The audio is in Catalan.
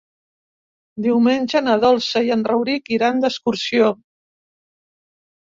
Diumenge na Dolça i en Rauric iran d'excursió.